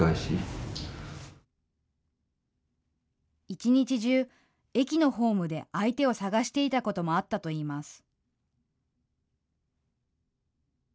一日中、駅のホームで相手を探していたこともあったといいます。